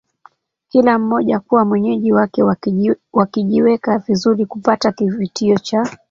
kila mmoja kuwa mwenyeji wake wakijiweka vizuri kupata kivutio cha